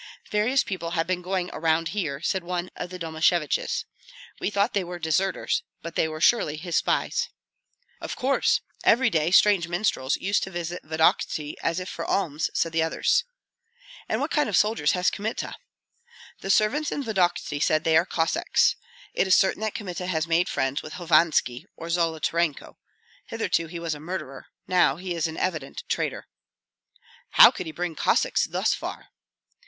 "Various people have been going around here," said one of the Domasheviches; "we thought they were deserters, but they were surely his spies." "Of course. Every day strange minstrels used to visit Vodokty as if for alms," said others. "And what kind of soldiers has Kmita?" "The servants in Vodokty say they are Cossacks. It is certain that Kmita has made friends with Hovanski or Zolotarenko. Hitherto he was a murderer, now he is an evident traitor." "How could he bring Cossacks thus far?"